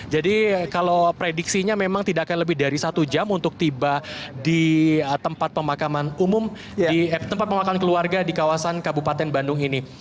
jadi kalau prediksinya memang tidak akan lebih dari satu jam untuk tiba di tempat pemakaman umum tempat pemakaman keluarga di kawasan kabupaten bandung ini